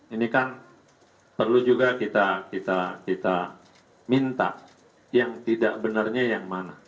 ini kan perlu juga kita minta yang tidak benarnya yang mana